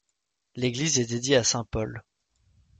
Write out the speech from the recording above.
L'église est dédiée à saint Paul.